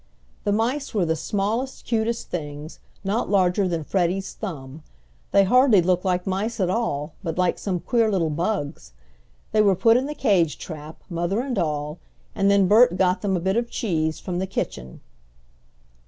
The mice were the smallest, cutest things, not larger than Freddie's thumb. They hardly looked like mice at all, but like some queer little bugs. They were put in the cage trap, mother and all, and then Bert got them a bit of cheese from the kitchen.